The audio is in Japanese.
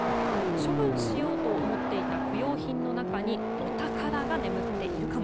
処分しようと思っていた不用品の中にお宝が眠っているかも。